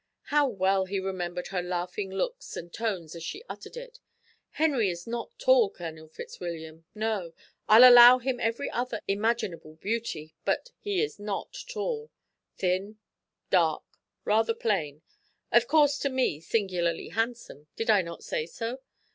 How well he remembered her laughing looks and tones as she uttered it: "Henry is not tall, Colonel Fitzwilliam, no, I allow him every other imaginable beauty, but he is not tall; thin, dark, rather plain; of course, to me, singularly handsome; did I not say so?